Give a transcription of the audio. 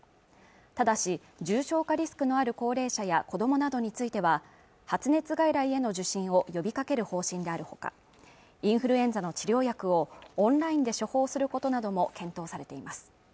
ただし重症化リスクのある高齢者や子どもなどについては発熱外来への受診を呼びかける方針であるほかインフルエンザの治療薬をオンラインで処方することなども検討されています